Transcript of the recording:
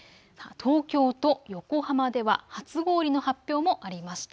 東京と横浜では初氷の発表もありました。